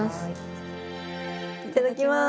いただきます！